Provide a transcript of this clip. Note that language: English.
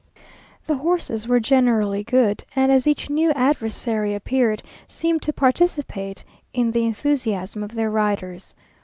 The horses were generally good, and as each new adversary appeared, seemed to participate in the enthusiasm of their riders.